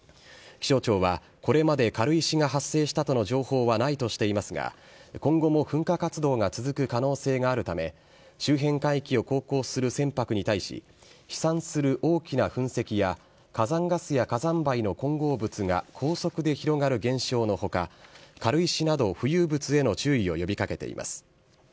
気象庁はこれまで軽石が発生したとの情報はないとしていますが、今後も噴火活動が続く可能性があるため、周辺海域を航行する船舶に対し、飛散する大きな噴石や火山ガスや火山灰の混合物が高速で広がる現象のほか、軽石など浮遊物への注意を呼びかけています。